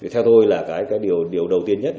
theo tôi là cái điều đầu tiên nhất